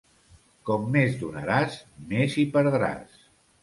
Com més donaràs, més hi perdràs.